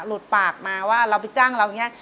หลุดปากมาว่าเราไปจ้างเราอย่างนี้